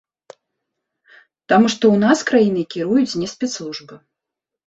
Таму, што ў нас краінай кіруюць не спецслужбы.